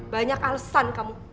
banyak alesan kamu